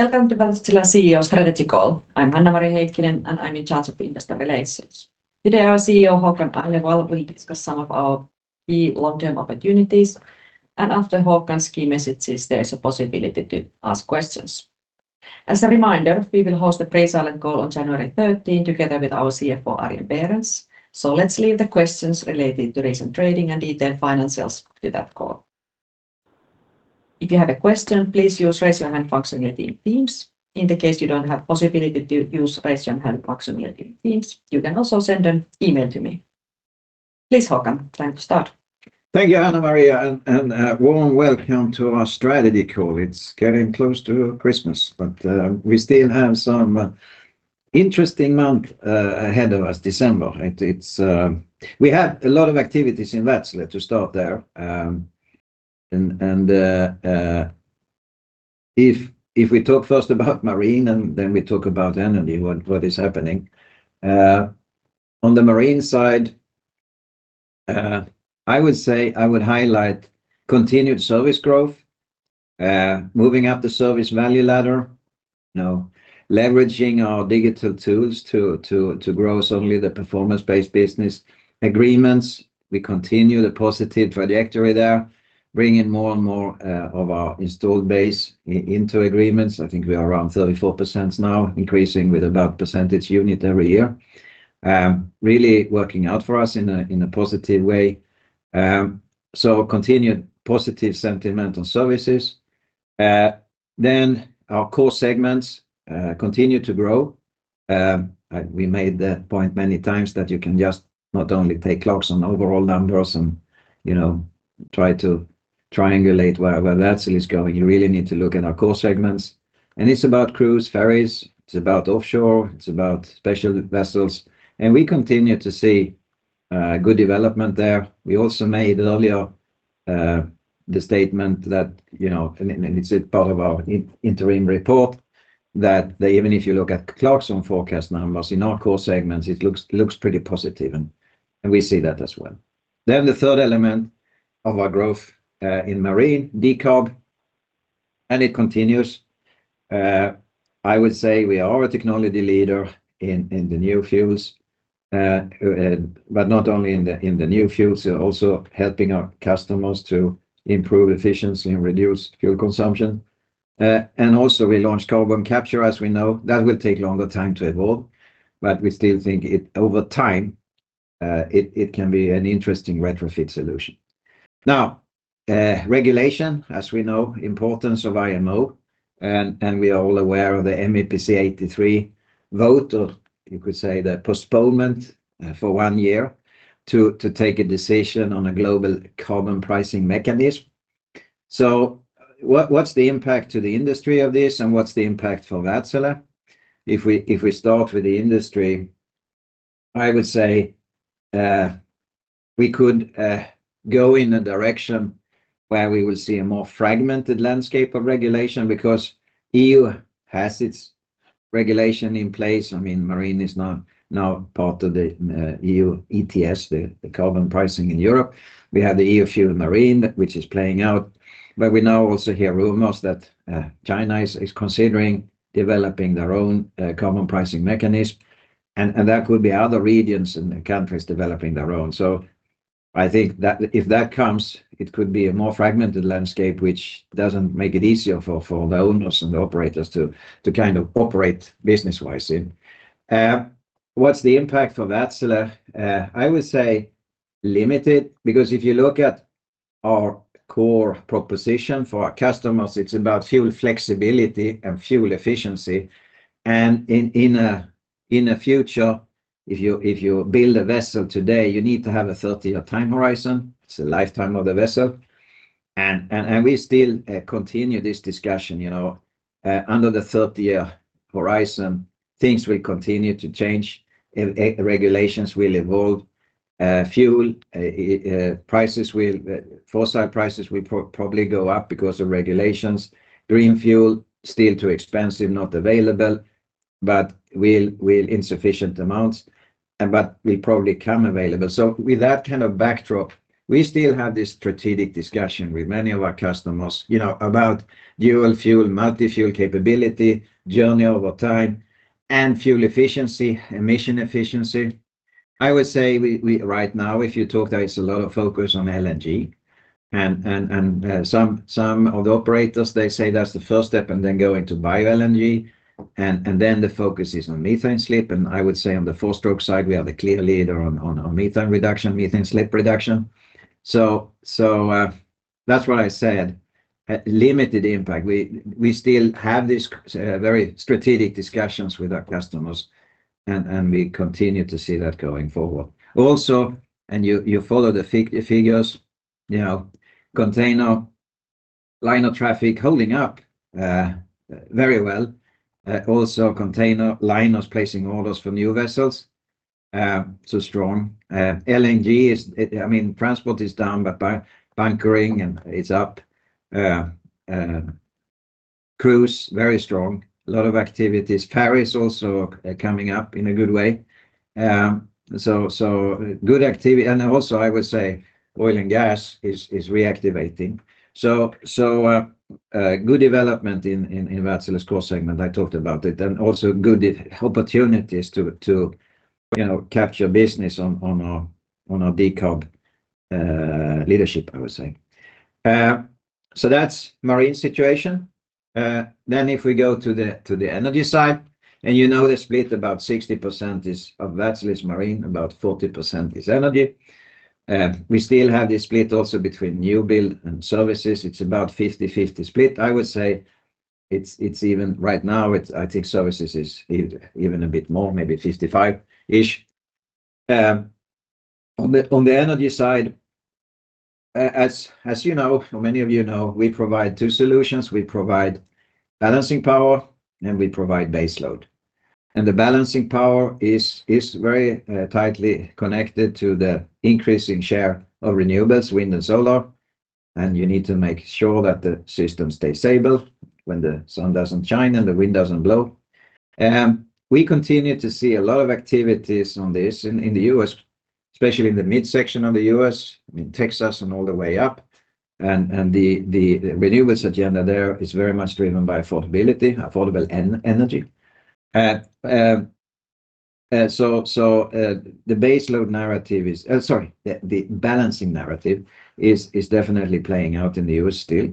Welcome to Wärtsilä CEO Strategy Call. I'm Hanna-Maria Heikkinen, and I'm in charge of industry relations. Today, our CEO Håkan Agnevall will discuss some of our key long-term opportunities, and after Håkan's key messages, there is a possibility to ask questions. As a reminder, we will host the Pre-Silent Call on January 13th together with our CFO, Arjen Berends, so let's leave the questions related to recent trading and detailed financials to that call. If you have a question, please use the raise your hand function in Teams. In the case you don't have the possibility to use the raise your hand function in Teams, you can also send an email to me. Please, Håkan, time to start. Thank you, Hanna-Maria, and a warm welcome to our strategy call. It's getting close to Christmas, but we still have some interesting months ahead of us, December. We have a lot of activities in Wärtsilä, to start there. If we talk first about Marine, then we talk about Energy, what is happening. On the Marine side, I would say I would highlight continued service growth, moving up the service value ladder, leveraging our digital tools to grow certainly the performance-based business agreements. We continue the positive trajectory there, bringing more and more of our installed base into agreements. I think we are around 34% now, increasing with about a percentage unit every year. Really working out for us in a positive way. Continued positive sentiment on services. Our core segments continue to grow. We made the point many times that you can just not only take logs on overall numbers and try to triangulate where Wärtsilä is going. You really need to look at our core segments. It is about cruise, ferries. It is about offshore. It is about special vessels. We continue to see good development there. We also made earlier the statement that, and it is part of our interim report, that even if you look at Clarkson forecast numbers in our core segments, it looks pretty positive, and we see that as well. The third element of our growth in Marine, decarb, and it continues. I would say we are a technology leader in the new fuels, but not only in the new fuels, also helping our customers to improve efficiency and reduce fuel consumption. Also, we launched carbon capture, as we know. That will take longer time to evolve, but we still think over time it can be an interesting retrofit solution. Now, regulation, as we know, importance of IMO, and we are all aware of the MEPC 83 vote, or you could say the postponement for one year to take a decision on a global carbon pricing mechanism. What's the impact to the industry of this, and what's the impact for Wärtsilä? If we start with the industry, I would say we could go in a direction where we will see a more fragmented landscape of regulation because EU has its regulation in place. I mean, Marine is now part of the EU ETS, the carbon pricing in Europe. We have the EU FuelEU Maritime, which is playing out, but we now also hear rumors that China is considering developing their own carbon pricing mechanism, and there could be other regions and countries developing their own. I think that if that comes, it could be a more fragmented landscape, which does not make it easier for the owners and the operators to kind of operate business-wise in. What's the impact for Wärtsilä? I would say limited because if you look at our core proposition for our customers, it's about fuel flexibility and fuel efficiency. In a future, if you build a vessel today, you need to have a 30-year time horizon. It's the lifetime of the vessel. We still continue this discussion. Under the 30-year horizon, things will continue to change. Regulations will evolve. Fuel prices, fossil prices will probably go up because of regulations. Green fuel is still too expensive, not available, but in sufficient amounts, but will probably become available. With that kind of backdrop, we still have this strategic discussion with many of our customers about dual fuel, multi-fuel capability, journey over time, and fuel efficiency, emission efficiency. I would say right now, if you talk, there is a lot of focus on LNG, and some of the operators, they say that's the first step, and then going to bio-LNG, and then the focus is on methane slip. I would say on the four-stroke side, we are the clear leader on methane reduction, methane slip reduction. That's what I said, limited impact. We still have these very strategic discussions with our customers, and we continue to see that going forward. Also, if you follow the figures, container line of traffic holding up very well. Also, container liners placing orders for new vessels, so strong. LNG is, I mean, transport is down, but by anchoring, and it's up. Cruise, very strong, a lot of activities. Ferries also coming up in a good way. Good activity. I would say oil and gas is reactivating. Good development in Wärtsilä's core segment. I talked about it, and also good opportunities to capture business on our decarb leadership, I would say. That's Marine situation. If we go to the energy side, and you know the split, about 60% is of Wärtsilä's Marine, about 40% is energy. We still have this split also between new build and services. It's about a 50/50 split. I would say it's even right now, I think services is even a bit more, maybe 55-ish. On the energy side, as you know, many of you know, we provide two solutions. We provide balancing power, and we provide baseload. The balancing power is very tightly connected to the increasing share of renewables, wind and solar, and you need to make sure that the system stays stable when the sun does not shine and the wind does not blow. We continue to see a lot of activities on this in the U.S., especially in the mid-section of the U.S., in Texas and all the way up. The renewables agenda there is very much driven by affordability, affordable energy. The baseload narrative is, sorry, the balancing narrative is definitely playing out in the U.S. still,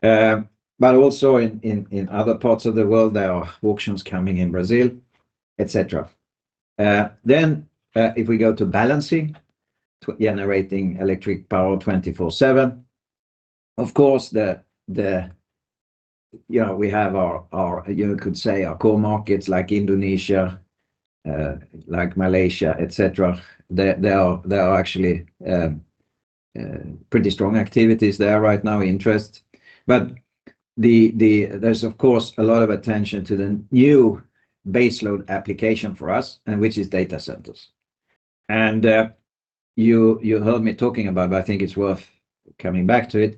but also in other parts of the world, there are auctions coming in Brazil, etc. If we go to balancing, generating electric power 24/7, of course, we have our, you could say, our core markets like Indonesia, like Malaysia, etc. There are actually pretty strong activities there right now, interest. There's, of course, a lot of attention to the new baseload application for us, which is data centers. You heard me talking about it, but I think it's worth coming back to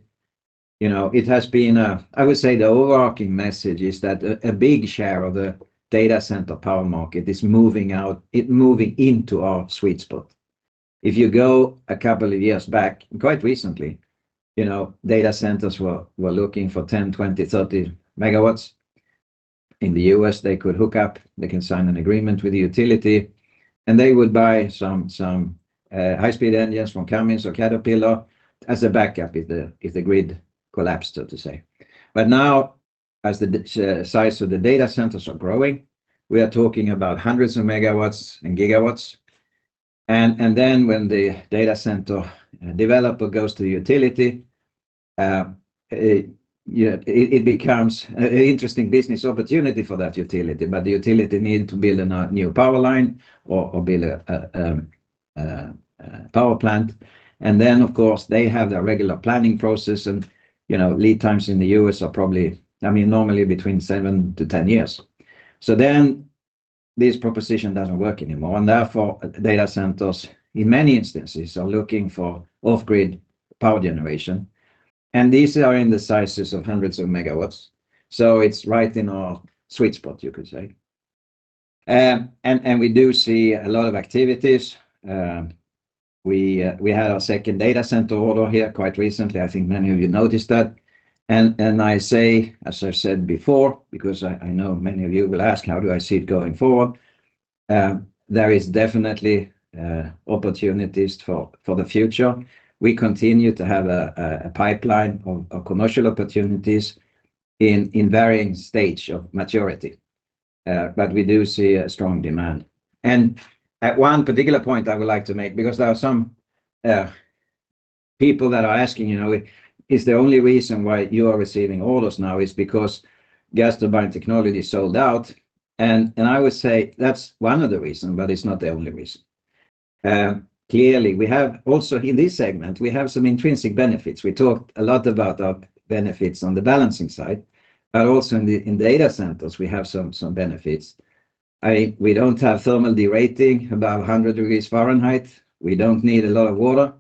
it. I would say the overarching message is that a big share of the data center power market is moving out, moving into our sweet spot. If you go a couple of years back, quite recently, data centers were looking for 10, 20, 30 MW. In the U.S. they could hook up, they can sign an agreement with the utility, and they would buy some high-speed engines from Cummins or Caterpillar as a backup if the grid collapsed, so to say. Now, as the size of the data centers are growing, we are talking about hundreds of megawatts and gigawatts. When the data center developer goes to utility, it becomes an interesting business opportunity for that utility, but the utility needs to build a new power line or build a power plant. Of course, they have their regular planning process, and lead times in the U.S. are probably, I mean, normally between 7-10 years. This proposition does not work anymore, and therefore data centers in many instances are looking for off-grid power generation, and these are in the sizes of hundreds of megawatts. It is right in our sweet spot, you could say. We do see a lot of activities. We had our second data center order here quite recently. I think many of you noticed that. I say, as I've said before, because I know many of you will ask, how do I see it going forward? There are definitely opportunities for the future. We continue to have a pipeline of commercial opportunities in varying stages of maturity, but we do see a strong demand. At one particular point, I would like to make, because there are some people that are asking, is the only reason why you are receiving orders now because gas turbine technology sold out? I would say that is one of the reasons, but it is not the only reason. Clearly, we have also in this segment, we have some intrinsic benefits. We talked a lot about our benefits on the balancing side, but also in data centers, we have some benefits. We do not have thermal derating above 100 degrees Fahrenheit. We do not need a lot of water.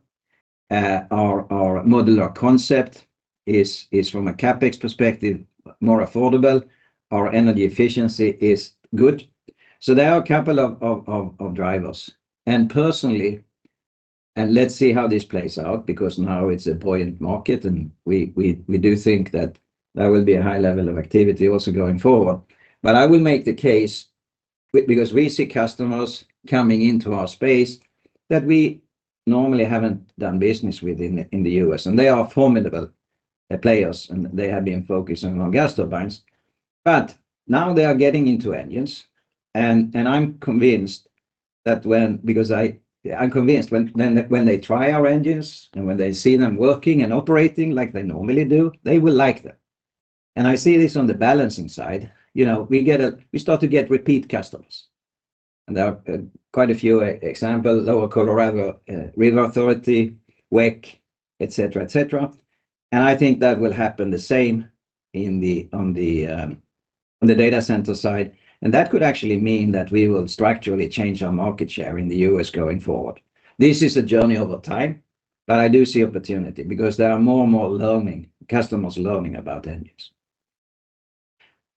Our modular concept is, from a CapEx perspective, more affordable. Our energy efficiency is good. There are a couple of drivers. Personally, let's see how this plays out, because now it is a buoyant market, and we do think that there will be a high level of activity also going forward. I will make the case, because we see customers coming into our space that we normally have not done business with in the US, and they are formidable players, and they have been focused on Gaston Binds. Now they are getting into engines, and I'm convinced that when, because I'm convinced when they try our engines and when they see them working and operating like they normally do, they will like them. I see this on the balancing side. We start to get repeat customers. There are quite a few examples, Lower Colorado River Authority, WEC, etc., etc. I think that will happen the same on the data center side. That could actually mean that we will structurally change our market share in the U.S. going forward. This is a journey over time, but I do see opportunity because there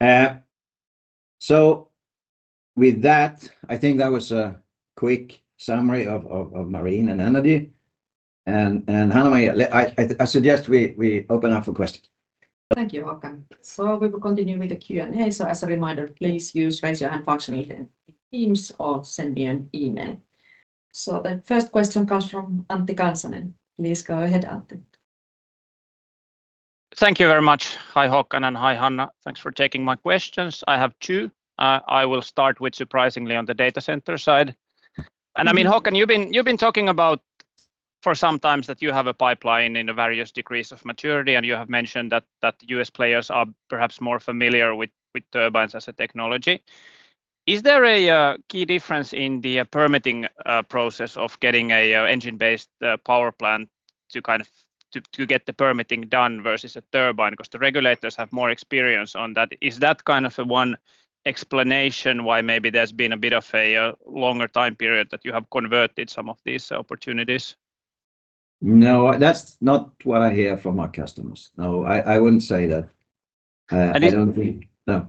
are more and more customers learning about engines. With that, I think that was a quick summary of Marine and Energy. Hanna-Maria, I suggest we open up for questions. Thank you, Håkan. We will continue with the Q&A. As a reminder, please use the raise your hand function in Teams or send me an email. The first question comes from Antti Kansanen. Please go ahead, Antti. Thank you very much. Hi Håkan and hi Hanna. Thanks for taking my questions. I have two. I will start with, surprisingly, on the data center side. I mean, Håkan, you have been talking about for some time that you have a pipeline in various degrees of maturity, and you have mentioned that U.S. players are perhaps more familiar with turbines as a technology. Is there a key difference in the permitting process of getting an engine-based power plant to kind of get the permitting done versus a turbine? Because the regulators have more experience on that. Is that kind of one explanation why maybe there's been a bit of a longer time period that you have converted some of these opportunities? No, that's not what I hear from our customers. No, I wouldn't say that. I don't think, no.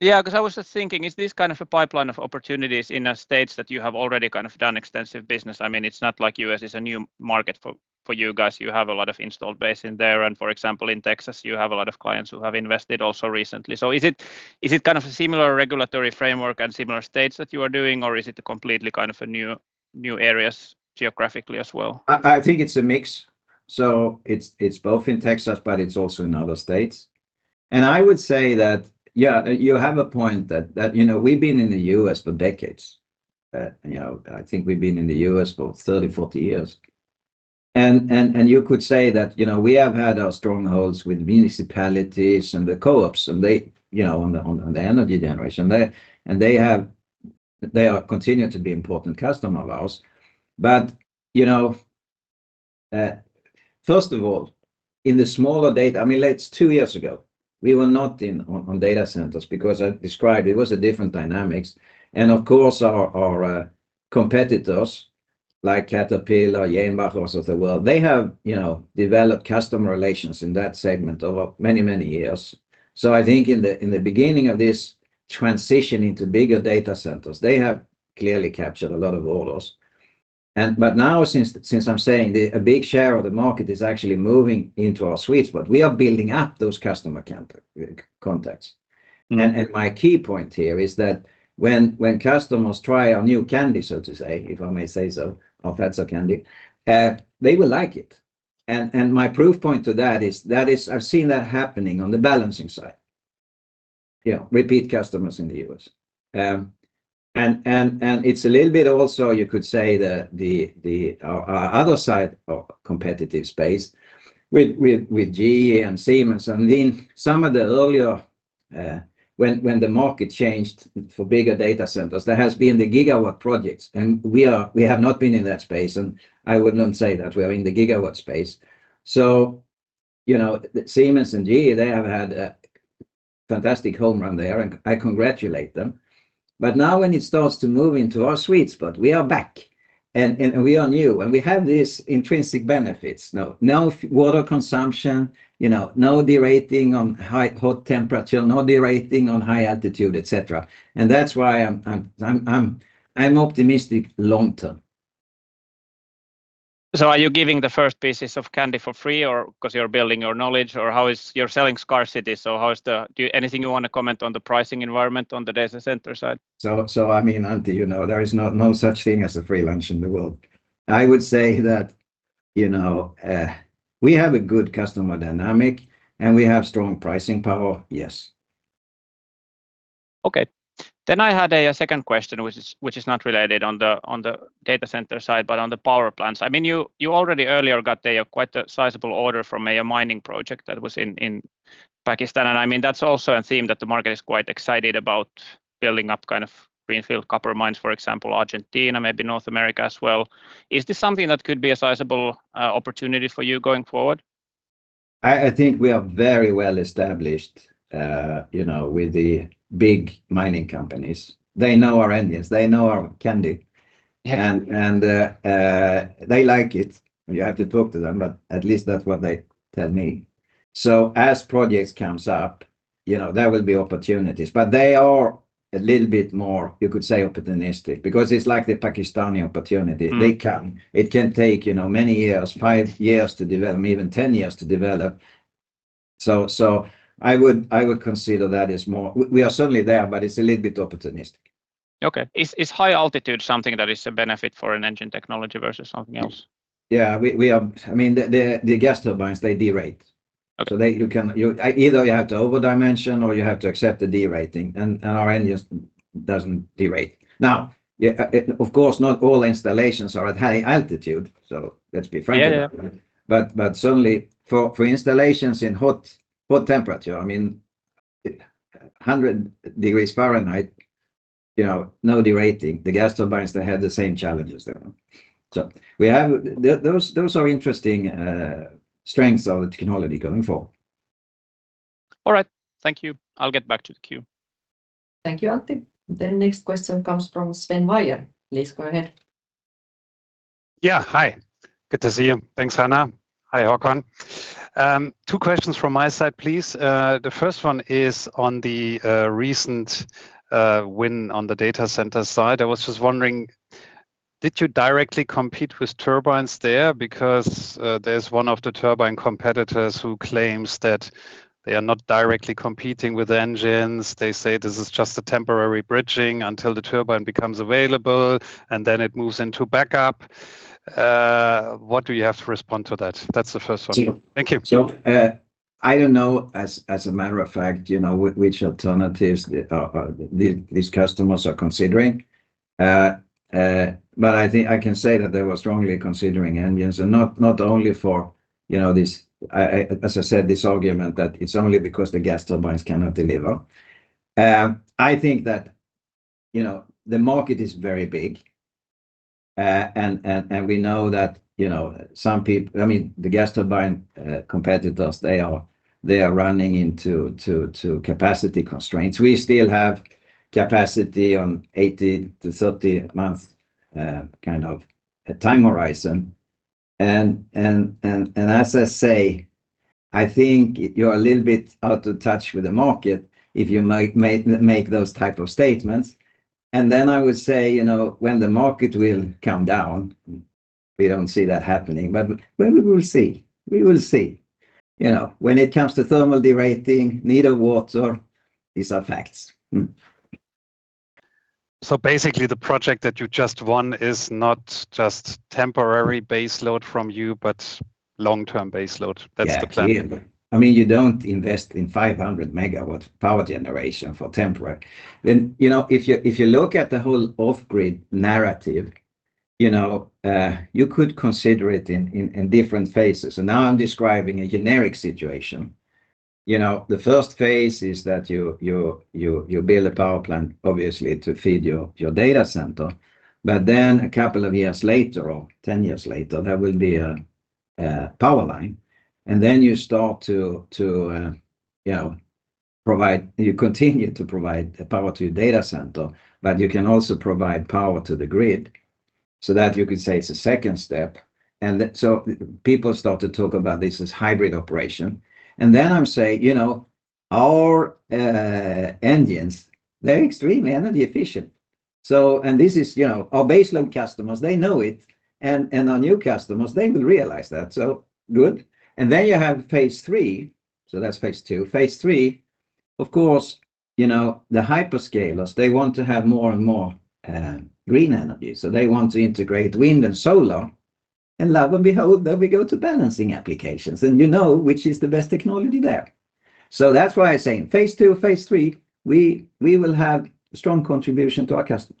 Yeah, because I was just thinking, is this kind of a pipeline of opportunities in a state that you have already kind of done extensive business? I mean, it's not like U.S. is a new market for you guys. You have a lot of installed base in there. For example, in Texas, you have a lot of clients who have invested also recently. Is it kind of a similar regulatory framework and similar states that you are doing, or is it completely kind of a new area geographically as well? I think it's a mix. It's both in Texas, but it's also in other states. I would say that, yeah, you have a point that we've been in the U.S. for decades. I think we've been in the U.S. for 30, 40 years. You could say that we have had our strongholds with municipalities and the co-ops and the energy generation. They continue to be important customers of ours. First of all, in the smaller data, I mean, it's two years ago, we were not in data centers because I described it was a different dynamics. Of course, our competitors like Caterpillar, also the world, they have developed customer relations in that segment over many, many years. I think in the beginning of this transition into bigger data centers, they have clearly captured a lot of orders. Now, since I'm saying a big share of the market is actually moving into our suites, we are building up those customer contacts. My key point here is that when customers try our new candy, so to say, if I may say so, our Fazer candy, they will like it. My proof point to that is that I've seen that happening on the balancing side. Repeat customers in the U.S. It is a little bit also, you could say, the other side of competitive space with GE and Siemens. Some of the earlier, when the market changed for bigger data centers, there have been the gigawatt projects, and we have not been in that space. I would not say that we are in the gigawatt space. Siemens and GE, they have had a fantastic home run there, and I congratulate them. Now when it starts to move into our sweet spot, we are back, and we are new, and we have these intrinsic benefits. No water consumption, no derating on hot temperature, no derating on high altitude, etc. That is why I am optimistic long term. Are you giving the first pieces of candy for free or because you are building your knowledge or how is your selling scarcity? Do you have anything you want to comment on the pricing environment on the data center side? I mean, Antti, there is no such thing as a free lunch in the world. I would say that we have a good customer dynamic, and we have strong pricing power, yes. I had a second question, which is not related on the data center side, but on the power plants. I mean, you already earlier got quite a sizable order from a mining project that was in Pakistan. I mean, that's also a theme that the market is quite excited about, building up kind of greenfield copper mines, for example, Argentina, maybe North America as well. Is this something that could be a sizable opportunity for you going forward? I think we are very well established with the big mining companies. They know our engines. They know our candy. And they like it. You have to talk to them, but at least that's what they tell me. As projects come up, there will be opportunities, but they are a little bit more, you could say, opportunistic because it's like the Pakistani opportunity. It can take many years, five years to develop, even 10 years to develop. I would consider that as more, we are certainly there, but it's a little bit opportunistic. Okay. Is high altitude something that is a benefit for an engine technology versus something else? Yeah, I mean, the gas turbines, they derate. Either you have to over-dimension or you have to accept the derating, and our engine doesn't derate. Now, of course, not all installations are at high altitude, so let's be frank. Certainly for installations in hot temperature, I mean, 100 degrees Fahrenheit, no derating. The gas turbines, they had the same challenges. Those are interesting strengths of the technology going forward. All right. Thank you. I'll get back to the queue. Thank you, Antti. The next question comes from Sven Weier. Please go ahead. Yeah, hi. Good to see you. Thanks, Hanna. Hi, Håkan. Two questions from my side, please. The first one is on the recent win on the data center side. I was just wondering, did you directly compete with turbines there? Because there's one of the turbine competitors who claims that they are not directly competing with engines. They say this is just a temporary bridging until the turbine becomes available, and then it moves into backup. What do you have to respond to that? That's the first one. Thank you. I don't know, as a matter of fact, which alternatives these customers are considering. I think I can say that they were strongly considering engines, and not only for, as I said, this argument that it's only because the gas turbines cannot deliver. I think that the market is very big, and we know that some people, I mean, the gas turbine competitors, they are running into capacity constraints. We still have capacity on 80-30 months kind of time horizon. As I say, I think you're a little bit out of touch with the market if you make those type of statements. I would say when the market will come down, we don't see that happening, but we will see. We will see. When it comes to thermal derating, neither water is a fact. Basically, the project that you just won is not just temporary baseload from you, but long-term baseload. That's the plan. I mean, you don't invest in 500 MW power generation for temporary. If you look at the whole off-grid narrative, you could consider it in different phases. I am describing a generic situation. The first phase is that you build a power plant, obviously, to feed your data center. A couple of years later, or 10 years later, there will be a power line. You start to provide, you continue to provide power to your data center, but you can also provide power to the grid. You could say it's a second step. People start to talk about this as hybrid operation. I'm saying, our engines, they're extremely energy efficient. Our baseload customers, they know it. Our new customers, they will realize that. Good. You have phase III. That's phase two. Phase III, of course, the hyperscalers, they want to have more and more green energy. They want to integrate wind and solar. Lo and behold, there we go to balancing applications. You know which is the best technology there. That's why I say in phase II, phase III, we will have strong contribution to our customers.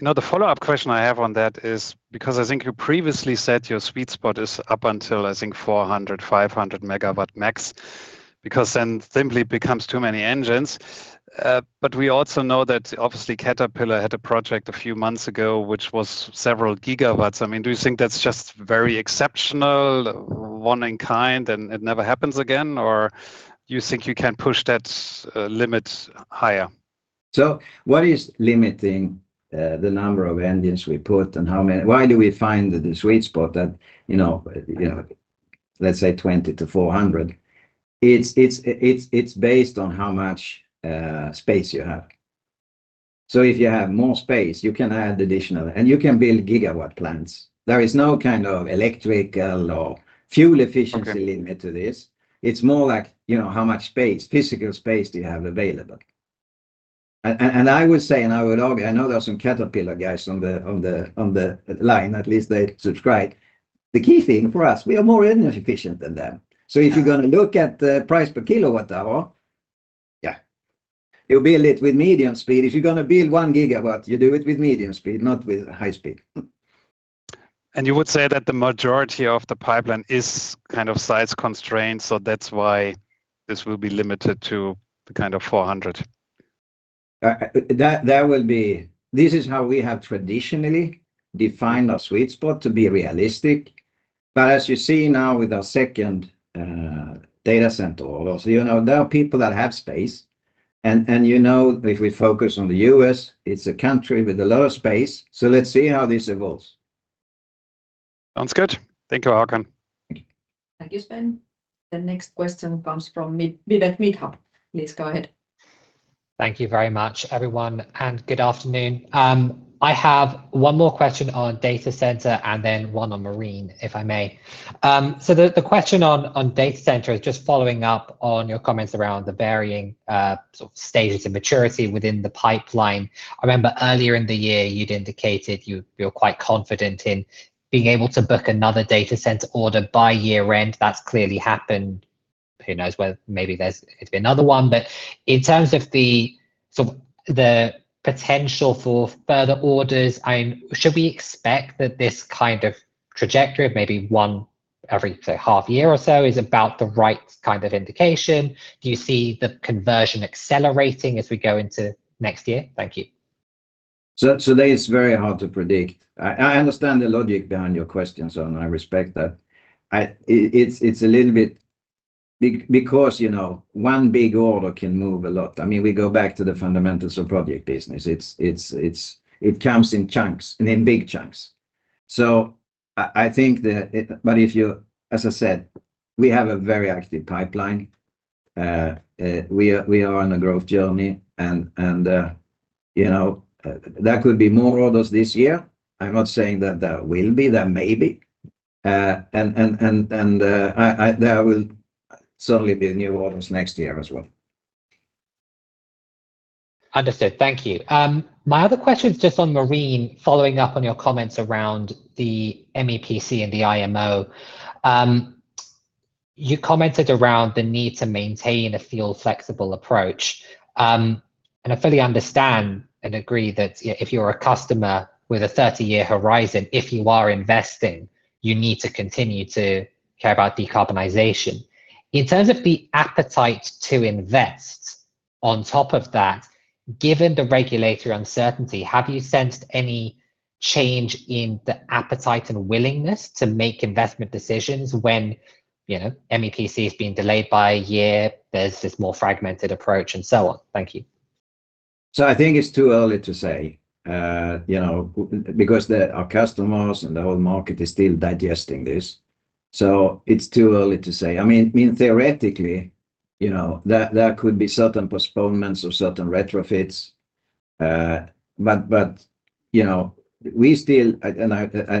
The follow-up question I have on that is because I think you previously said your sweet spot is up until, I think, 400-500 MW max because then simply it becomes too many engines. We also know that obviously Caterpillar had a project a few months ago which was several gigawatts. I mean, do you think that's just very exceptional, one in kind, and it never happens again? Or do you think you can push that limit higher? What is limiting the number of engines we put and how many? Why do we find the sweet spot at, let's say, 20-400? It's based on how much space you have. If you have more space, you can add additional and you can build gigawatt plants. There is no kind of electrical or fuel efficiency limit to this. It's more like how much space, physical space do you have available? I would say, and I would argue, I know there are some Caterpillar guys on the line, at least they subscribe. The key thing for us, we are more energy efficient than them. If you're going to look at the price per kilowatt hour, yeah, you'll build it with medium speed. If you're going to build one gigawatt, you do it with medium speed, not with high speed. You would say that the majority of the pipeline is kind of size constrained, so that's why this will be limited to kind of 400? This is how we have traditionally defined our sweet spot to be realistic. As you see now with our second data center, there are people that have space. If we focus on the U.S., it's a country with a lot of space. Let's see how this evolves. Sounds good. Thank you, Håkan. Thank you, Sven. The next question comes from Vivek Midha. Please go ahead. Thank you very much, everyone. Good afternoon. I have one more question on data center and then one on marine, if I may. The question on data center is just following up on your comments around the varying stages of maturity within the pipeline. I remember earlier in the year, you'd indicated you're quite confident in being able to book another data center order by year-end. That's clearly happened. Who knows? Maybe there's going to be another one. In terms of the potential for further orders, should we expect that this kind of trajectory of maybe one every half year or so is about the right kind of indication? Do you see the conversion accelerating as we go into next year? Thank you. That is very hard to predict. I understand the logic behind your questions, and I respect that. It is a little bit because one big order can move a lot. I mean, we go back to the fundamentals of project business. It comes in chunks and in big chunks. I think that, but if you, as I said, we have a very active pipeline. We are on a growth journey. There could be more orders this year. I am not saying that there will be. There may be. There will certainly be new orders next year as well. Understood. Thank you. My other question is just on marine, following up on your comments around the MEPC and the IMO. You commented around the need to maintain a fuel-flexible approach. I fully understand and agree that if you're a customer with a 30-year horizon, if you are investing, you need to continue to care about decarbonization. In terms of the appetite to invest, on top of that, given the regulatory uncertainty, have you sensed any change in the appetite and willingness to make investment decisions when MEPC is being delayed by a year? There's this more fragmented approach and so on. Thank you. I think it's too early to say because our customers and the whole market is still digesting this. It's too early to say. I mean, theoretically, there could be certain postponements or certain retrofits. We still, and I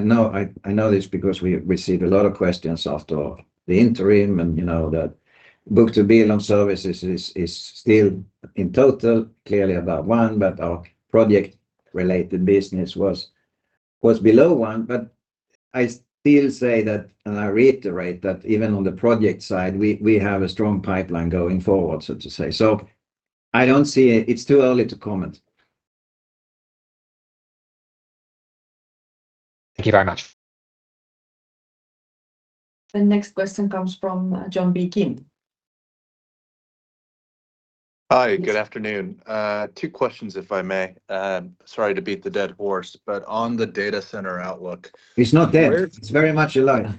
know this because we received a lot of questions after the interim, and that book-to-bill on services is still in total clearly above one, but our project-related business was below one. I still say that, and I reiterate that even on the project side, we have a strong pipeline going forward, so to say. I do not see it is too early to comment. Thank you very much. The next question comes from John Kim. Hi, good afternoon. Two questions, if I may. Sorry to beat the dead horse, but on the data center outlook. It is not dead. It is very much alive.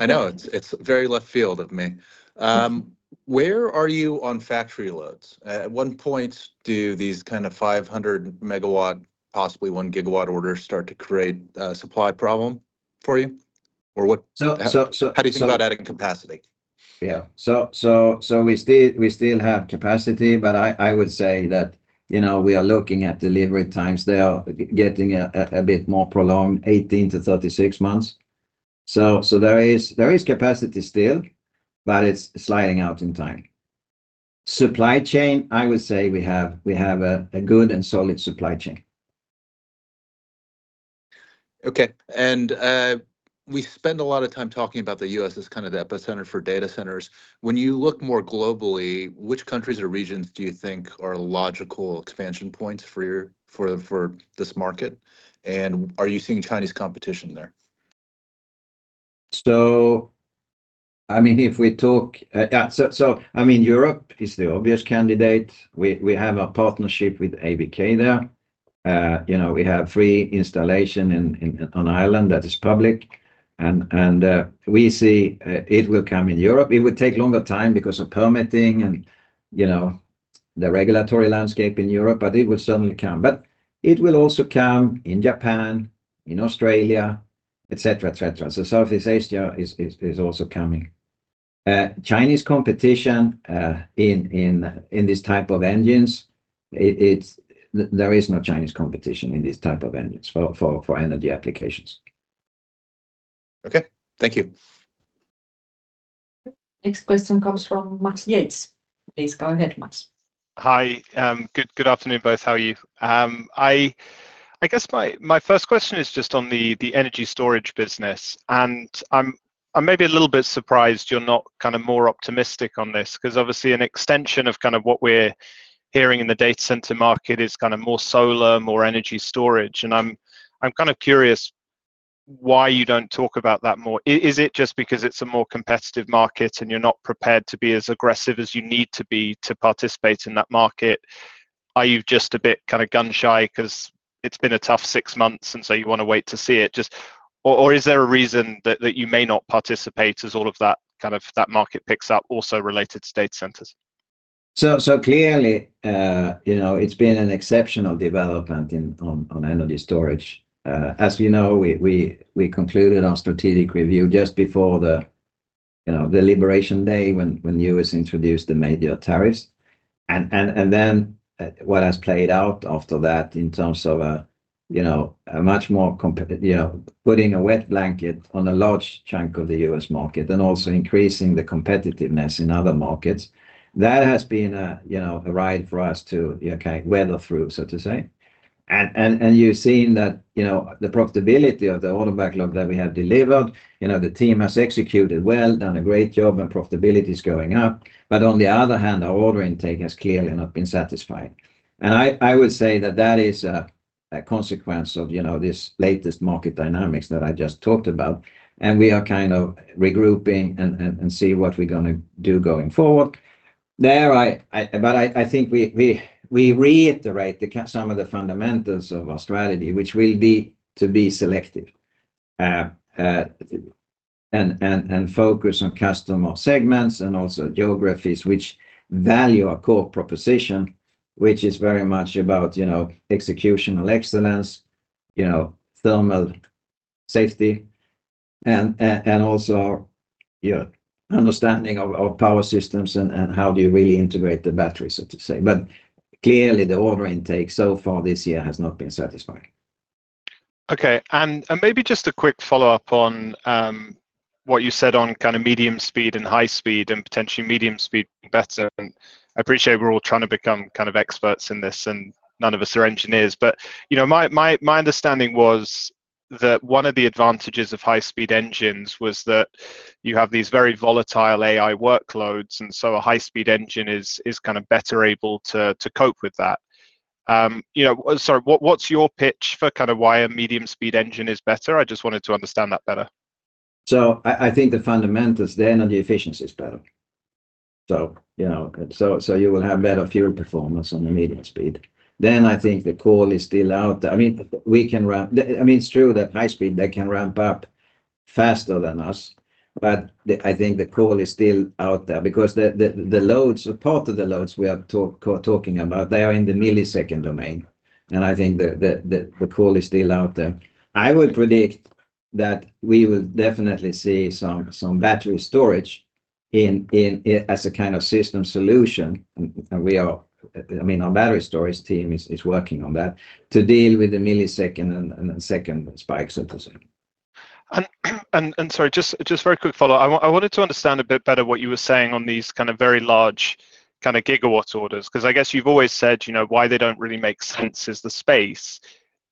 I know. It is very left field of me. Where are you on factory loads? At what point do these kind of 500 MW, possibly 1 GW orders start to create a supply problem for you? How do you think about adding capacity? Yeah. We still have capacity, but I would say that we are looking at delivery times. They are getting a bit more prolonged, 18-36 months. There is capacity still, but it's sliding out in time. Supply chain, I would say we have a good and solid supply chain. Okay. We spend a lot of time talking about the U.S. as kind of the epicenter for data centers. When you look more globally, which countries or regions do you think are logical expansion points for this market? Are you seeing Chinese competition there? I mean, if we talk, yeah, I mean, Europe is the obvious candidate. We have a partnership with ABK there. We have three installations on island that is public. We see it will come in Europe. It will take longer time because of permitting and the regulatory landscape in Europe, but it will certainly come. It will also come in Japan, in Australia, etc., etc. Southeast Asia is also coming. Chinese competition in this type of engines, there is no Chinese competition in this type of engines for energy applications. Okay. Thank you. Next question comes from Max Yates. Please go ahead, Max. Hi. Good afternoon, both. How are you? I guess my first question is just on the energy storage business. I'm maybe a little bit surprised you're not kind of more optimistic on this because obviously an extension of kind of what we're hearing in the data center market is kind of more solar, more energy storage. I'm kind of curious why you don't talk about that more. Is it just because it's a more competitive market and you're not prepared to be as aggressive as you need to be to participate in that market? Are you just a bit kind of gun-shy because it's been a tough six months and you want to wait to see it? Or is there a reason that you may not participate as all of that kind of that market picks up also related to data centers? Clearly, it's been an exceptional development on energy storage. As you know, we concluded our strategic review just before the liberation day when the U.S. introduced the major tariffs. What has played out after that in terms of a much more putting a wet blanket on a large chunk of the U.S. market and also increasing the competitiveness in other markets, that has been a ride for us to kind of weather through, so to say. You have seen that the profitability of the order backlog that we have delivered, the team has executed well, done a great job, and profitability is going up. On the other hand, our order intake has clearly not been satisfied. I would say that that is a consequence of this latest market dynamics that I just talked about. We are kind of regrouping and see what we are going to do going forward. I think we reiterate some of the fundamentals of our strategy, which will be to be selective and focus on customer segments and also geographies which value our core proposition, which is very much about executional excellence, thermal safety, and also understanding of power systems and how do you really integrate the batteries, so to say. Clearly, the order intake so far this year has not been satisfying. Okay. Maybe just a quick follow-up on what you said on kind of medium speed and high speed and potentially medium speed better. I appreciate we're all trying to become kind of experts in this and none of us are engineers. My understanding was that one of the advantages of high-speed engines was that you have these very volatile AI workloads. A high-speed engine is kind of better able to cope with that. Sorry, what's your pitch for kind of why a medium-speed engine is better? I just wanted to understand that better. I think the fundamentals, the energy efficiency is better. You will have better fuel performance on the medium speed. I think the call is still out there. I mean, we can ramp, I mean, it's true that high-speed, they can ramp up faster than us. I think the call is still out there because the loads, part of the loads we are talking about, they are in the millisecond domain. I think the call is still out there. I would predict that we will definitely see some battery storage as a kind of system solution. We are, I mean, our battery storage team is working on that to deal with the millisecond and second spikes, so to say. Sorry, just a very quick follow-up. I wanted to understand a bit better what you were saying on these kind of very large kind of gigawatt orders because I guess you've always said why they don't really make sense is the space.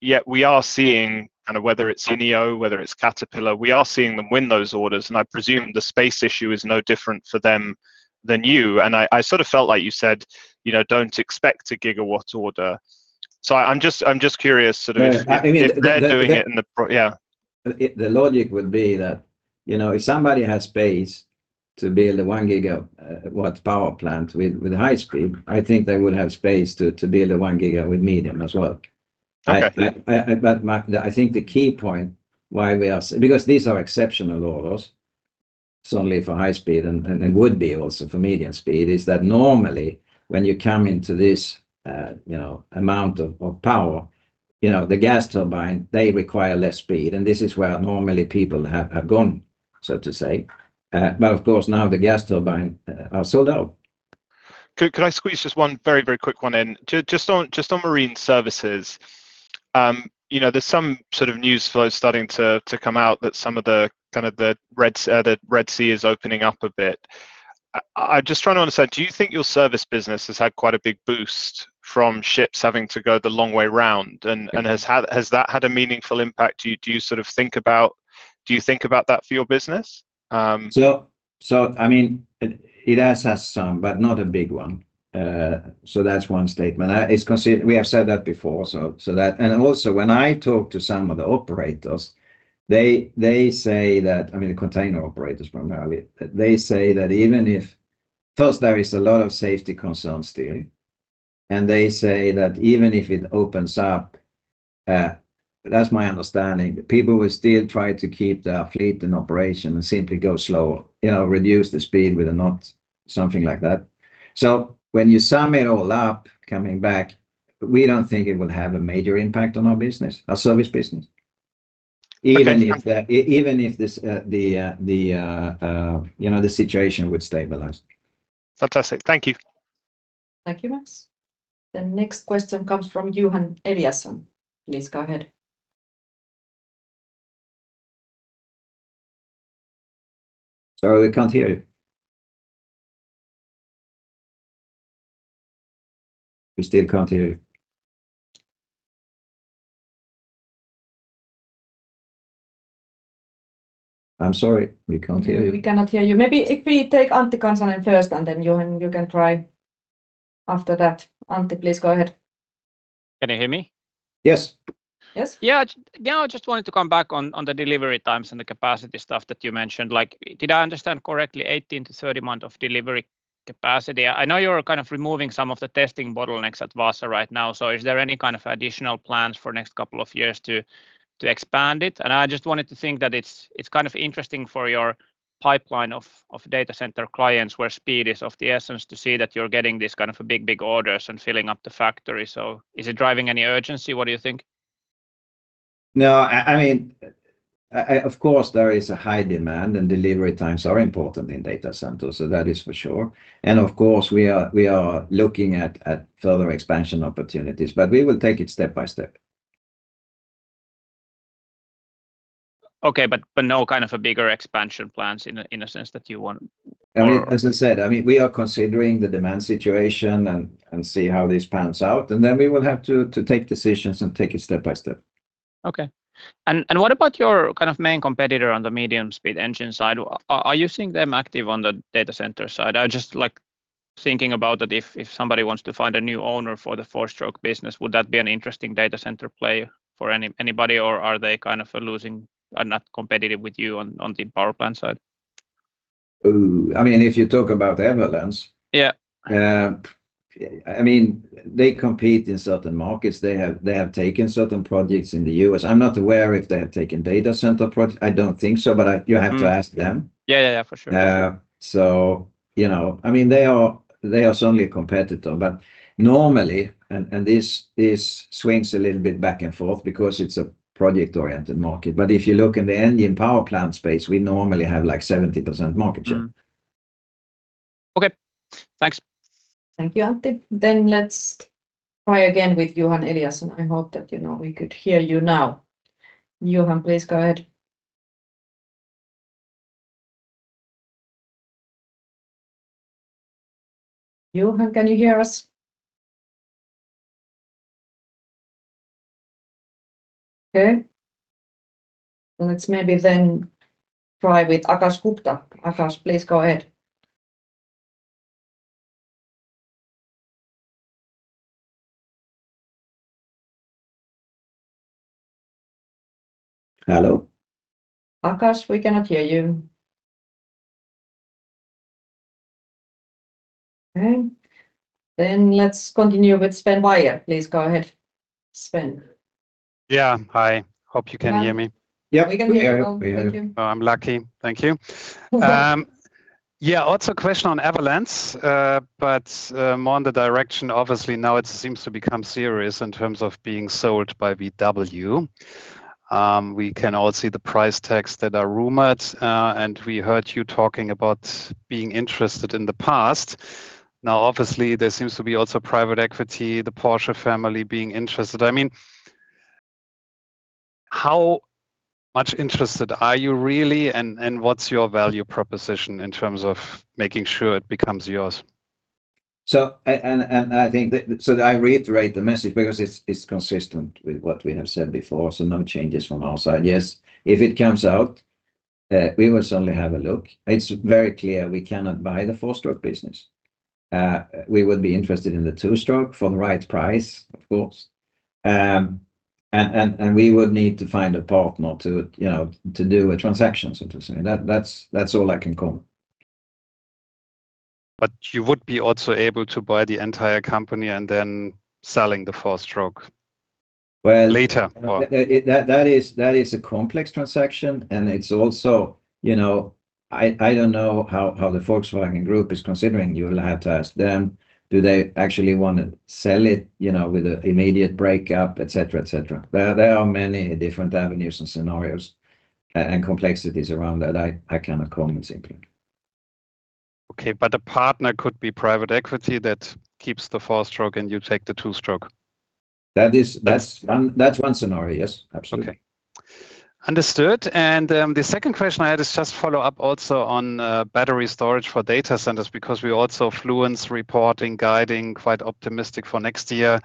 Yet we are seeing kind of whether it's Eneo, whether it's Caterpillar, we are seeing them win those orders. I presume the space issue is no different for them than you. I sort of felt like you said, "Don't expect a gigawatt order." I'm just curious sort of if they're doing it in the yeah. The logic would be that if somebody has space to build a 1 GW power plant with high speed, I think they would have space to build a 1 GW with medium as well. I think the key point why we are, because these are exceptional orders, certainly for high speed and would be also for medium speed, is that normally when you come into this amount of power, the gas turbine, they require less speed. This is where normally people have gone, so to say. Of course, now the gas turbine are sold out. Could I squeeze just one very, very quick one in? Just on marine services, there's some sort of news flow starting to come out that some of the Red Sea is opening up a bit. I'm just trying to understand, do you think your service business has had quite a big boost from ships having to go the long way round? Has that had a meaningful impact? Do you think about that for your business? I mean, it has had some, but not a big one. That is one statement. We have said that before. Also, when I talk to some of the operators, they say that, I mean, the container operators primarily, they say that even if first, there is a lot of safety concerns still. They say that even if it opens up, that is my understanding, people will still try to keep their fleet in operation and simply go slow, reduce the speed with a knot, something like that. When you sum it all up, coming back, we do not think it will have a major impact on our business, our service business, even if the situation would stabilize. Fantastic. Thank you. Thank you, Max. The next question comes from Johan Eliasson. Please go ahead. Sorry, we cannot hear you. We still cannot hear you. I'm sorry, we can't hear you. We cannot hear you. Maybe if we take Antti Kansanen first and then Johan can try after that. Antti, please go ahead. Can you hear me? Yes. Yes? Yeah. Now, I just wanted to come back on the delivery times and the capacity stuff that you mentioned. Did I understand correctly 18-30 months of delivery capacity? I know you're kind of removing some of the testing bottlenecks at Vaasa right now. Is there any kind of additional plans for the next couple of years to expand it? I just wanted to think that it's kind of interesting for your pipeline of data center clients where speed is of the essence to see that you're getting these kind of big, big orders and filling up the factory. Is it driving any urgency? What do you think? No, I mean, of course, there is a high demand and delivery times are important in data centers. That is for sure. Of course, we are looking at further expansion opportunities, but we will take it step by step. Okay, but no kind of bigger expansion plans in a sense that you want. I mean, as I said, I mean, we are considering the demand situation and see how this pans out. We will have to take decisions and take it step by step. Okay. What about your kind of main competitor on the medium-speed engine side? Are you seeing them active on the data center side? I'm just thinking about that if somebody wants to find a new owner for the four-stroke business, would that be an interesting data center player for anybody? Are they kind of losing and not competitive with you on the power plant side? I mean, if you talk about Everlands, I mean, they compete in certain markets. They have taken certain projects in the U.S. I'm not aware if they have taken data center projects. I don't think so, but you have to ask them. Yeah, yeah, for sure. I mean, they are certainly a competitor. Normally, and this swings a little bit back and forth because it's a project-oriented market. If you look in the engine power plant space, we normally have like 70% market share. Okay. Thanks. Thank you, Antti. Let's try again with Johan Eliasson. I hope that we could hear you now. Johan, please go ahead. Johan, can you hear us? Okay. Let's maybe try with Akash Gupta. Akash, please go ahead. Hello? Akash, we cannot hear you. Okay. Let's continue with Sven Weier. Please go ahead, Sven. Yeah, hi. Hope you can hear me. Yeah, we can hear you. Thank you. I'm lucky. Thank you. Yeah, also a question on Everlands, but more in the direction, obviously, now it seems to become serious in terms of being sold by VW. We can all see the price tags that are rumored. We heard you talking about being interested in the past. Now, obviously, there seems to be also private equity, the Porsche family being interested. I mean, how much interested are you really? What's your value proposition in terms of making sure it becomes yours? I think that I reiterate the message because it's consistent with what we have said before. No changes from our side. Yes, if it comes out, we will certainly have a look. It's very clear we cannot buy the four-stroke business. We would be interested in the two-stroke for the right price, of course. We would need to find a partner to do a transaction, so to say. That's all I can comment. You would be also able to buy the entire company and then selling the four-stroke later. That is a complex transaction. I don't know how the Volkswagen Group is considering, you will have to ask them, do they actually want to sell it with an immediate breakup, etc., etc. There are many different avenues and scenarios and complexities around that. I cannot comment simply. Okay, but a partner could be private equity that keeps the four-stroke and you take the two-stroke. That's one scenario, yes. Absolutely. Okay. Understood. The second question I had is just follow-up also on battery storage for data centers because we also have Fluence reporting guiding quite optimistic for next year.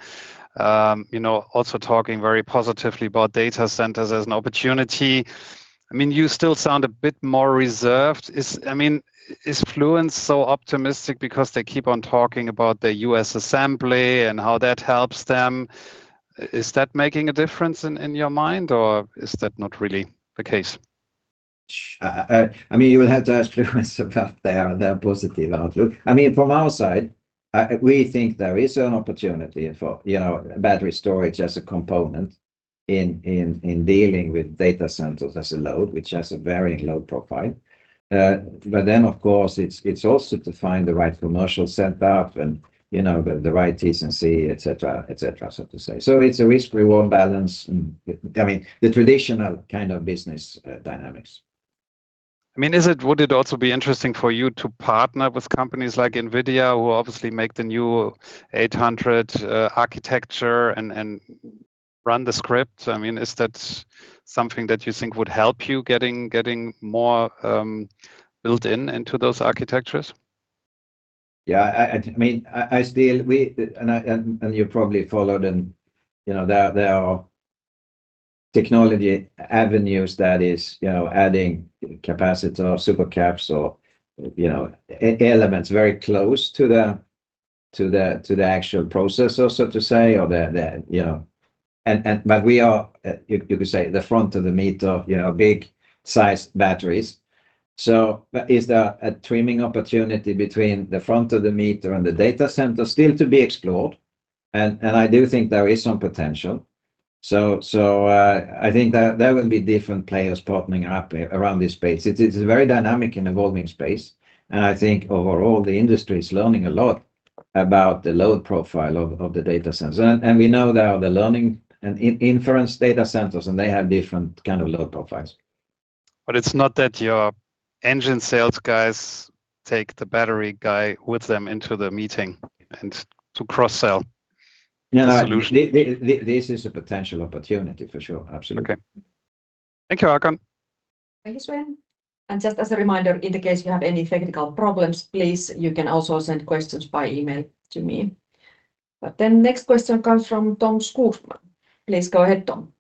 Also talking very positively about data centers as an opportunity. I mean, you still sound a bit more reserved. I mean, is Fluence so optimistic because they keep on talking about the US assembly and how that helps them? Is that making a difference in your mind, or is that not really the case? I mean, you will have to ask Fluence about their positive outlook. I mean, from our side, we think there is an opportunity for battery storage as a component in dealing with data centers as a load, which has a very low profile. Of course, it is also to find the right commercial setup and the right TCC, etc., etc., so to say. It is a risk-reward balance. I mean, the traditional kind of business dynamics. I mean, would it also be interesting for you to partner with companies like Nvidia, who obviously make the new 800 architecture and run the script? I mean, is that something that you think would help you getting more built into those architectures? Yeah. I mean, I still, and you probably followed them, there are technology avenues that is adding capacity or supercaps or elements very close to the actual processor, so to say, but we are, you could say, the front of the meter of big-sized batteries. Is there a trimming opportunity between the front of the meter and the data center still to be explored? I do think there is some potential. I think there will be different players partnering up around this space. It's a very dynamic and evolving space. I think overall, the industry is learning a lot about the load profile of the data centers. We know there are the learning and inference data centers, and they have different kind of load profiles. It's not that your engine sales guys take the battery guy with them into the meeting and cross-sell the solution. This is a potential opportunity for sure. Absolutely. Okay. Thank you, Håkan. Thank you, Sven. Just as a reminder, in case you have any technical problems, please, you can also send questions by email to me. The next question comes from Tom Skogman. Please go ahead, Tom.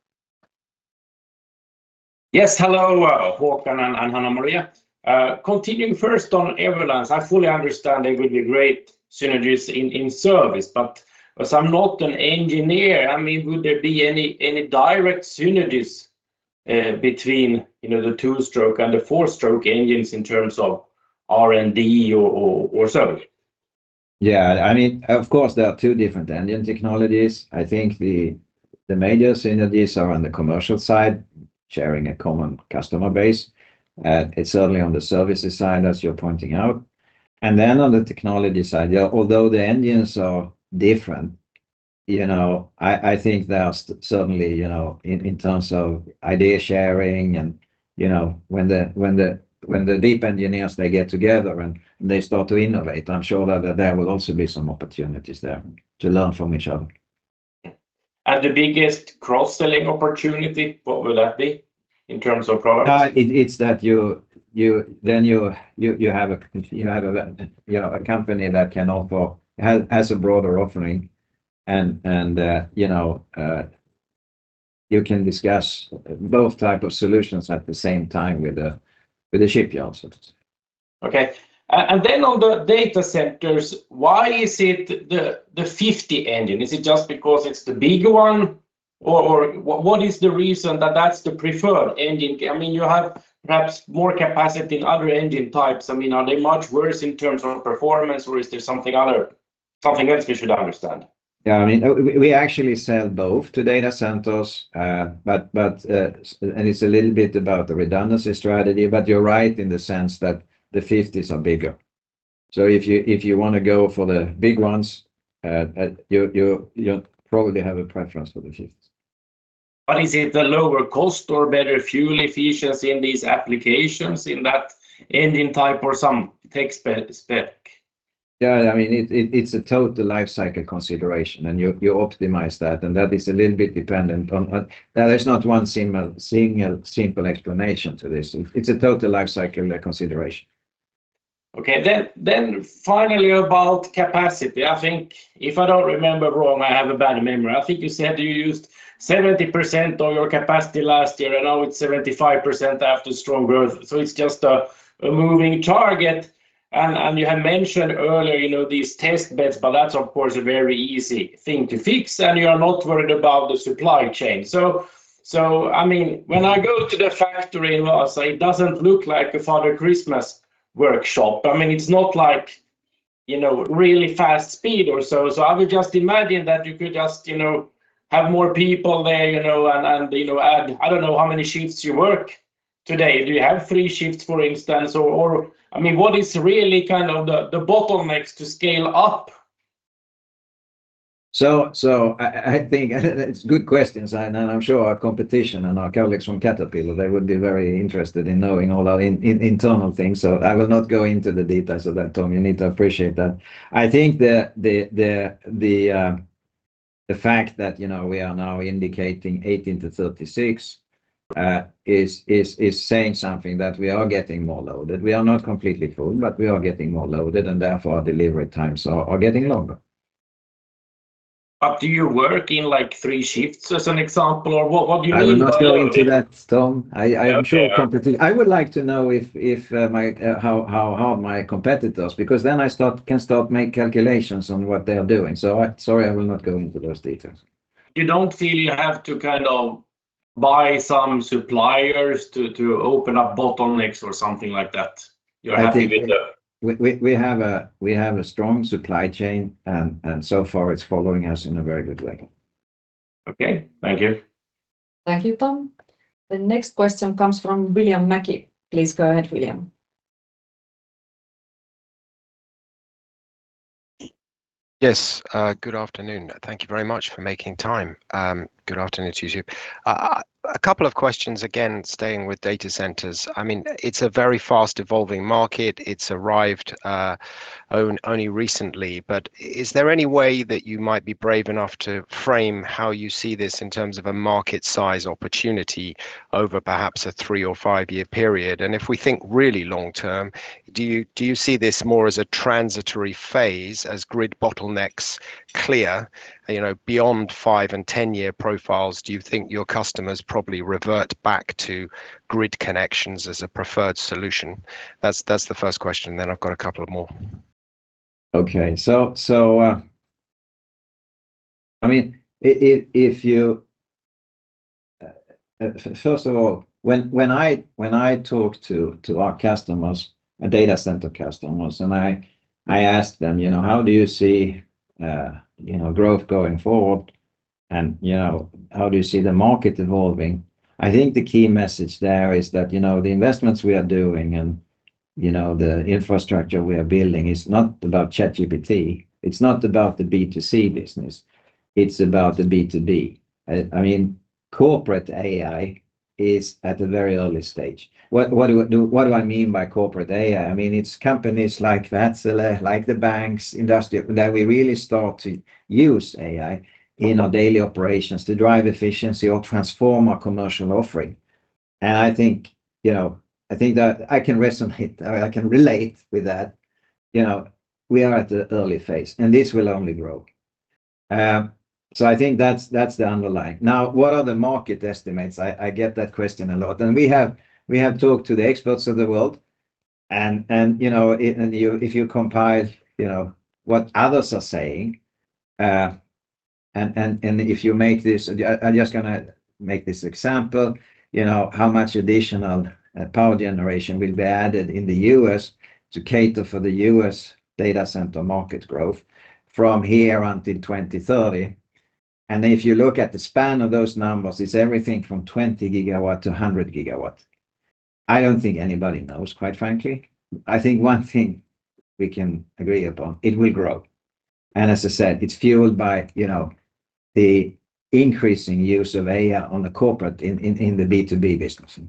Yes, hello, Håkan and Hanna-Maria.Continuing first on Everlands, I fully understand there would be great synergies in service, but as I'm not an engineer, I mean, would there be any direct synergies between the two-stroke and the four-stroke engines in terms of R&D or service? Yeah, I mean, of course, there are two different engine technologies. I think the major synergies are on the commercial side, sharing a common customer base. It's certainly on the services side, as you're pointing out. On the technology side, although the engines are different, I think there's certainly in terms of idea sharing and when the deep engineers, they get together and they start to innovate, I'm sure that there will also be some opportunities there to learn from each other. The biggest cross-selling opportunity, what would that be in terms of products? It's that then you have a company that can offer, has a broader offering, and you can discuss both types of solutions at the same time with the shipyards. Okay. Then on the data centers, why is it the 50 engine? Is it just because it's the big one? Or what is the reason that that's the preferred engine? I mean, you have perhaps more capacity in other engine types. I mean, are they much worse in terms of performance, or is there something else we should understand? Yeah, I mean, we actually sell both to data centers, and it's a little bit about the redundancy strategy, but you're right in the sense that the 50s are bigger. If you want to go for the big ones, you'll probably have a preference for the 50s. Is it the lower cost or better fuel efficiency in these applications in that engine type or some tech spec? Yeah, I mean, it's a total lifecycle consideration, and you optimize that. That is a little bit dependent on there is not one single simple explanation to this. It's a total lifecycle consideration. Okay. Finally, about capacity. I think if I don't remember wrong, I have a bad memory. I think you said you used 70% of your capacity last year. I know it's 75% after strong growth. It's just a moving target. You have mentioned earlier these test beds, but that's, of course, a very easy thing to fix. You are not worried about the supply chain. I mean, when I go to the factory in Vaasa, it doesn't look like a Father Christmas workshop. I mean, it's not like really fast speed or so. I would just imagine that you could just have more people there and add, I don't know how many shifts you work today. Do you have three shifts, for instance? I mean, what is really kind of the bottlenecks to scale up? I think it's good questions. I'm sure our competition and our colleagues from Caterpillar, they would be very interested in knowing all our internal things. I will not go into the details of that, Tom. You need to appreciate that. I think the fact that we are now indicating 18-36 is saying something that we are getting more loaded. We are not completely full, but we are getting more loaded, and therefore our delivery times are getting longer. Do you work in three shifts as an example, or what do you mean by that? I'm not going into that, Tom. I'm sure competition. I would like to know how my competitors, because then I can start making calculations on what they're doing. Sorry, I will not go into those details. You don't feel you have to kind of buy some suppliers to open up bottlenecks or something like that? You're happy with the? We have a strong supply chain, and so far it's following us in a very good way. Thank you. Thank you, Tom. The next question comes from William Mackie. Please go ahead, William. Yes. Good afternoon. Thank you very much for making time. Good afternoon to you too. A couple of questions, again, staying with data centers. I mean, it's a very fast-evolving market. It's arrived only recently. Is there any way that you might be brave enough to frame how you see this in terms of a market-size opportunity over perhaps a three or five-year period? If we think really long-term, do you see this more as a transitory phase as grid bottlenecks clear beyond five and ten-year profiles? Do you think your customers probably revert back to grid connections as a preferred solution? That's the first question. I have a couple more. Okay. First of all, when I talk to our customers, data center customers, and I ask them, "How do you see growth going forward? How do you see the market evolving?" I think the key message there is that the investments we are doing and the infrastructure we are building is not about ChatGPT. It's not about the B2C business. It's about the B2B. I mean, corporate AI is at a very early stage. What do I mean by corporate AI? I mean, it's companies like Wärtsilä, like the banks, industrial that we really start to use AI in our daily operations to drive efficiency or transform our commercial offering. I think that I can resonate. I can relate with that. We are at the early phase, and this will only grow. I think that's the underlying. Now, what are the market estimates? I get that question a lot. We have talked to the experts of the world. If you compile what others are saying, and if you make this, I'm just going to make this example, how much additional power generation will be added in the U.S. to cater for the U.S. data center market growth from here until 2030? If you look at the span of those numbers, it's everything from 20-100 GW. I don't think anybody knows, quite frankly. I think one thing we can agree upon, it will grow. As I said, it's fueled by the increasing use of AI on the corporate in the B2B business.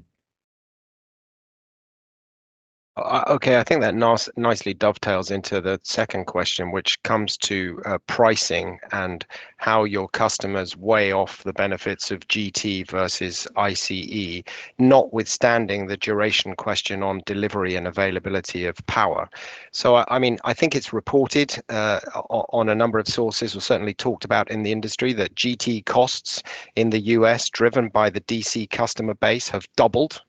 Okay. I think that nicely dovetails into the second question, which comes to pricing and how your customers weigh off the benefits of GT versus ICE, not withstanding the duration question on delivery and availability of power. I mean, I think it's reported on a number of sources or certainly talked about in the industry that GT costs in the U.S., driven by the DC customer base, have doubled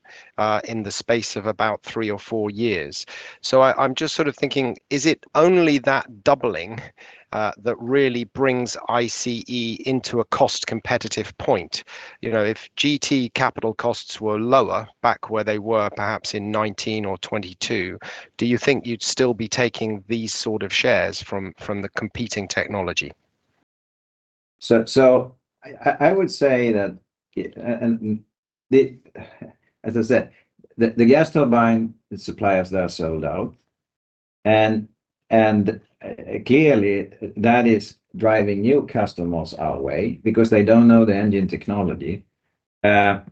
in the space of about three or four years. I'm just sort of thinking, is it only that doubling that really brings ICE into a cost competitive point? If GT capital costs were lower back where they were perhaps in 2019 or 2022, do you think you'd still be taking these sort of shares from the competing technology? I would say that, as I said, the gas turbine suppliers are sold out. Clearly, that is driving new customers our way because they don't know the engine technology. They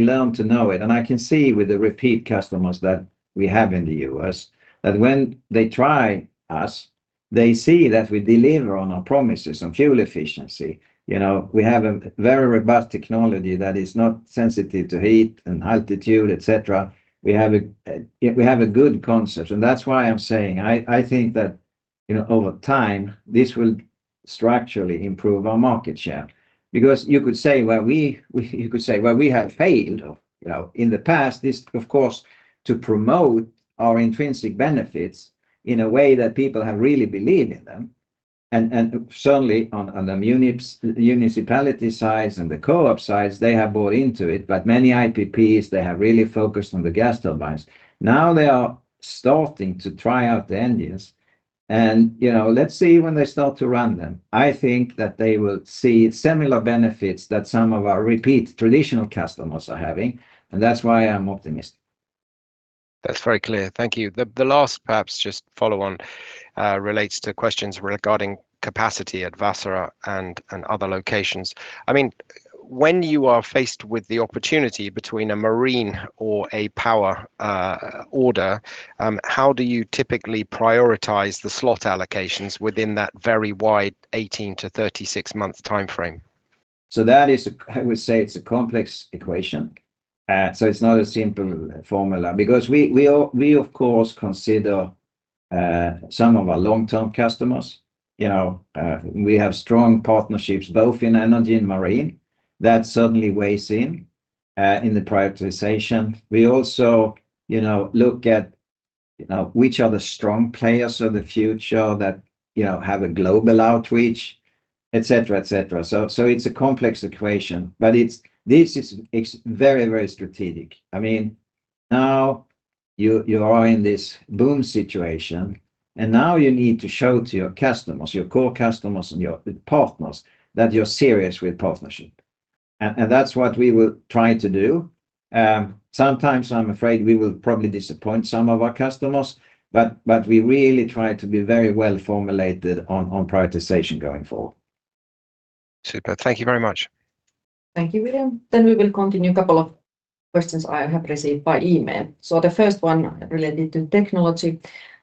learn to know it. I can see with the repeat customers that we have in the U.S. that when they try us, they see that we deliver on our promises on fuel efficiency. We have a very robust technology that is not sensitive to heat and altitude, etc. We have a good concept. That's why I'm saying I think that over time, this will structurally improve our market share. You could say, well, we have failed in the past, of course, to promote our intrinsic benefits in a way that people have really believed in them. Certainly, on the municipality sides and the co-op sides, they have bought into it. Many IPPs have really focused on the gas turbines. Now they are starting to try out the engines. Let's see when they start to run them. I think that they will see similar benefits that some of our repeat traditional customers are having. That's why I'm optimistic. That's very clear. Thank you. The last, perhaps just follow-on relates to questions regarding capacity at Wärtsilä and other locations. I mean, when you are faced with the opportunity between a marine or a power order, how do you typically prioritize the slot allocations within that very wide 18-36-month timeframe? I would say it's a complex equation. It's not a simple formula because we, of course, consider some of our long-term customers. We have strong partnerships both in energy and marine. That certainly weighs in in the prioritization. We also look at which are the strong players of the future that have a global outreach, etc., etc. It's a complex equation. This is very, very strategic. I mean, now you are in this boom situation, and now you need to show to your customers, your core customers and your partners that you're serious with partnership. That's what we will try to do. Sometimes I'm afraid we will probably disappoint some of our customers, but we really try to be very well formulated on prioritization going forward. Super. Thank you very much. Thank you, William. We will continue. A couple of questions I have received by email. The first one related to technology.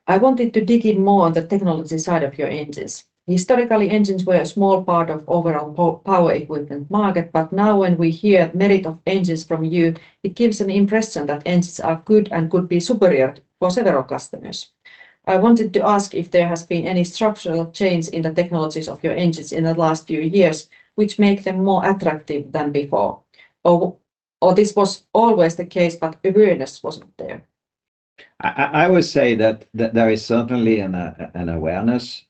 I wanted to dig in more on the technology side of your engines. Historically, engines were a small part of the overall power equipment market, but now when we hear the merit of engines from you, it gives an impression that engines are good and could be superior for several customers. I wanted to ask if there has been any structural change in the technologies of your engines in the last few years, which makes them more attractive than before. Or this was always the case, but awareness wasn't there. I would say that there is certainly an awareness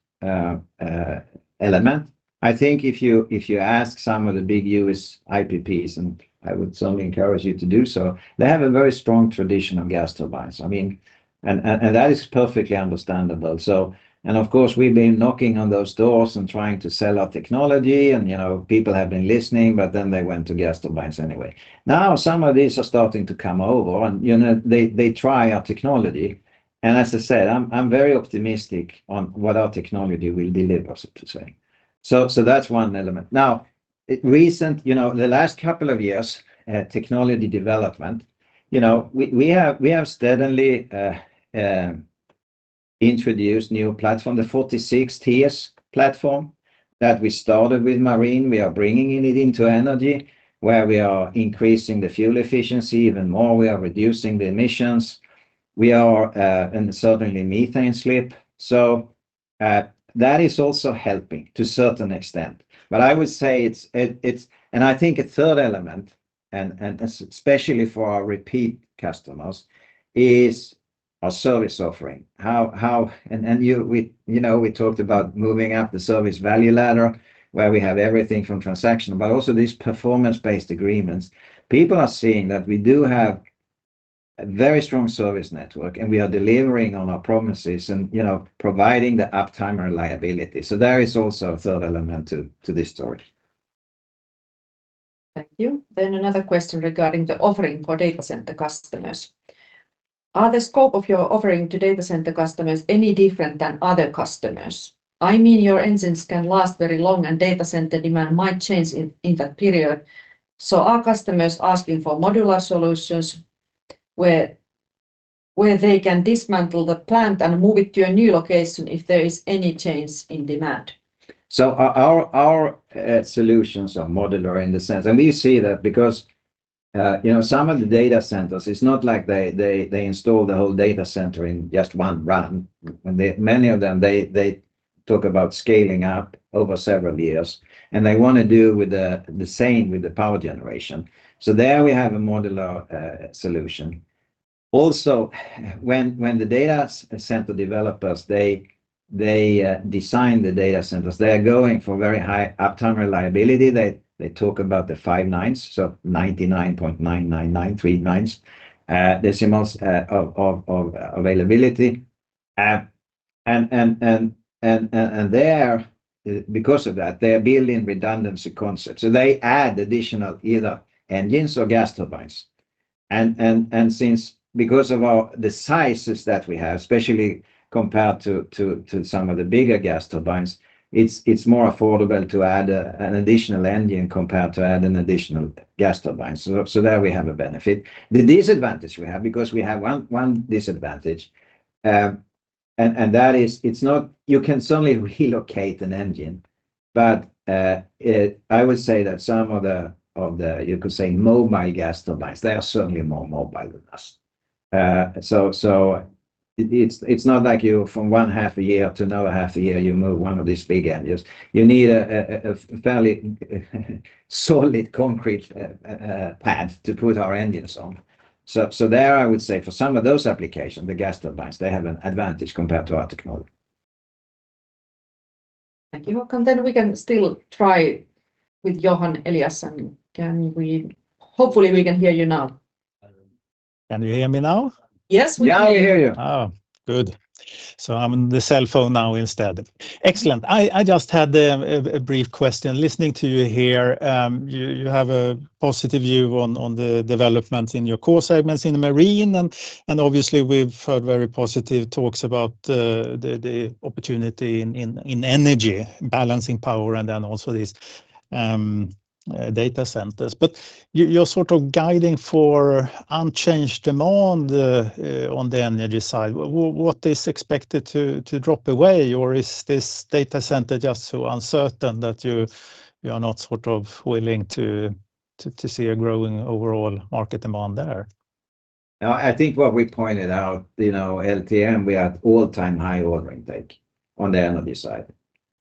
element. I think if you ask some of the big U.S. IPPs, and I would certainly encourage you to do so, they have a very strong tradition of gas turbines. I mean, and that is perfectly understandable. Of course, we've been knocking on those doors and trying to sell our technology, and people have been listening, but then they went to gas turbines anyway. Now some of these are starting to come over, and they try our technology. I am very optimistic on what our technology will deliver, so to say. That is one element. The last couple of years, technology development, we have steadily introduced new platform, the 46TS platform that we started with marine. We are bringing it into energy, where we are increasing the fuel efficiency even more. We are reducing the emissions. We are certainly methane slip. That is also helping to a certain extent. I would say it's, and I think a third element, especially for our repeat customers, is our service offering. We talked about moving up the service value ladder, where we have everything from transactional, but also these performance-based agreements. People are seeing that we do have a very strong service network, and we are delivering on our promises and providing the uptime and reliability. There is also a third element to this story. Thank you. Another question regarding the offering for data center customers. Are the scope of your offering to data center customers any different than other customers? I mean, your engines can last very long, and data center demand might change in that period. Are customers asking for modular solutions where they can dismantle the plant and move it to a new location if there is any change in demand? Our solutions are modular in that sense. We see that because some of the data centers, it's not like they install the whole data center in just one run. Many of them talk about scaling up over several years, and they want to do the same with the power generation. There we have a modular solution. Also, when the data center developers design the data centers, they are going for very high uptime reliability. They talk about the five nines, so 99.999, three nines, decimals of availability. Because of that, they are building redundancy concepts. They add additional either engines or gas turbines. Because of the sizes that we have, especially compared to some of the bigger gas turbines, it is more affordable to add an additional engine compared to adding an additional gas turbine. There we have a benefit. The disadvantage we have, because we have one disadvantage, is you can certainly relocate an engine, but I would say that some of the, you could say, mobile gas turbines, they are certainly more mobile than us. It is not like you, from one half a year to another half a year, move one of these big engines. You need a fairly solid concrete pad to put our engines on. There, I would say, for some of those applications, the gas turbines have an advantage compared to our technology. Thank you. We can still try with Johan Eliasson. Hopefully, we can hear you now. Can you hear me now? Yes, we can. Now we hear you. Oh, good. I am on the cell phone now instead. Excellent. I just had a brief question. Listening to you here, you have a positive view on the developments in your core segments in marine. Obviously, we have heard very positive talks about the opportunity in energy, balancing power, and then also these data centers. You are sort of guiding for unchanged demand on the energy side. What is expected to drop away, or is this data center just so uncertain that you are not willing to see a growing overall market demand there? I think what we pointed out, LTM, we had all-time high order intake on the energy side.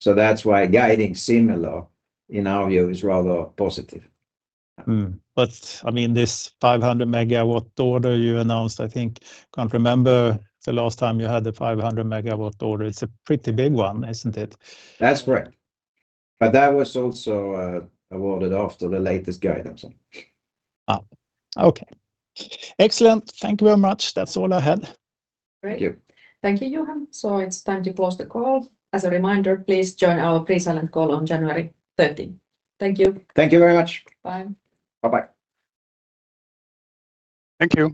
That is why guiding similar in our view is rather positive. I mean, this 500 MW order you announced, I think, can't remember the last time you had the 500 MW order. It's a pretty big one, isn't it? That's correct. That was also awarded after the latest guidance. Okay. Excellent. Thank you very much. That's all I had. Thank you. Thank you, Johan. It is time to close the call. As a reminder, please join our pre-silent call on January 30th. Thank you. Thank you very much. Bye. Bye-bye. Thank you.